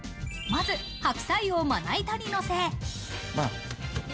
まず白菜をまな板にのせ。